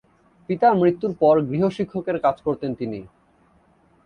পিতার মৃত্যুর পর গৃহ শিক্ষকের কাজ করতেন তিনি।